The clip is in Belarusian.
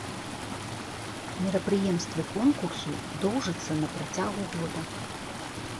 Мерапрыемствы конкурсу доўжыцца на працягу года.